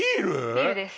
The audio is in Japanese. ビールです